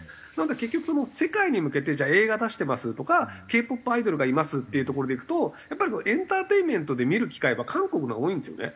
結局世界に向けてじゃあ映画出してますとかＫ−ＰＯＰアイドルがいますっていうところでいくとやっぱりエンターテインメントで見る機会は韓国のほうが多いんですよね。